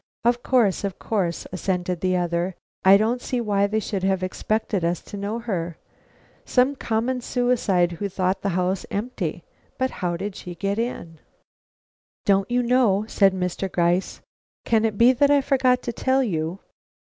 "Of course, of course," assented the other. "I don't see why they should have expected us to know her. Some common suicide who thought the house empty But how did she get in?" "Don't you know?" said Mr. Gryce. "Can it be that I forgot to tell you?